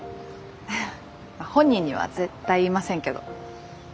本人には絶対言いませんけど。